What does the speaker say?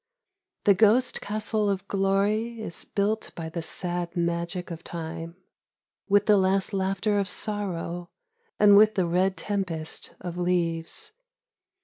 The ghost castle of glory is built by the sad magic of Time, With the last laughter of sorrow, and with the red tempest of leaves.